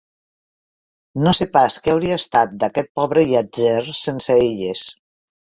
No sé pas què hauria estat d'aquest pobre llàtzer sense elles...